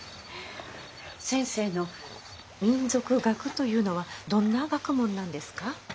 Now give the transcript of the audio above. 先生の民俗学というのはどんな学問なんですか？